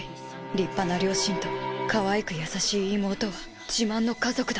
立派な両親とかわいく優しい妹は自慢の家族だ。